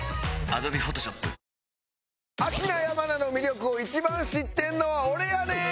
「アキナ山名の魅力を一番知ってるのはオレやねん」！